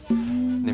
ねえ